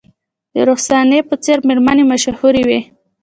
د رخسانې په څیر میرمنې مشهورې وې